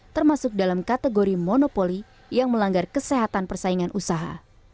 termasuk dalam kategori monopoli yang melanggar kesehatan persaingan usaha